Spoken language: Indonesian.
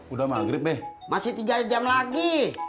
udah maghrib deh masih tiga jam lagi